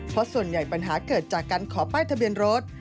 เพราะส่วนใหญ่ปัญหาเกิดจากการขอป้ายทะเบียนรถ